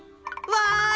わい。